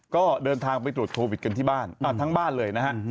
ก็เดินทางไปตรวจโควิดกันที่บ้านทั้งบ้านเลยนะฮะ